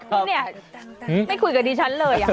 คุณที่ไม่คุยกัดดิฉันเลย